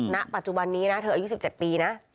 ณปัจจุบันนี้นะเธออายุ๑๗ปีนะ